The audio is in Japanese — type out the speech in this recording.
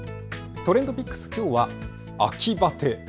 ＴｒｅｎｄＰｉｃｋｓ、きょうは秋バテ。